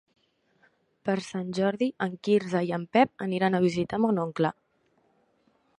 Per Sant Jordi en Quirze i en Pep aniran a visitar mon oncle.